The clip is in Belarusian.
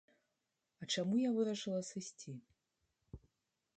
А чаму я вырашыла сысці?